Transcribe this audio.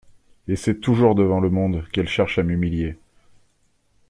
Et c’est toujours devant le monde, Qu’elle cherche à m’humilier !